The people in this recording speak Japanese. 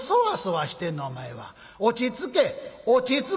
落ち着け落ち着け！」。